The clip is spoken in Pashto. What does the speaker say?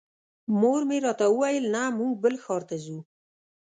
مور مې راته وویل نه موږ بل ښار ته ځو.